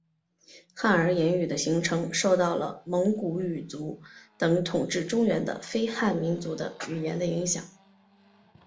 汉儿言语的形成受到了蒙古语族等统治中原的非汉民族的语言的影响。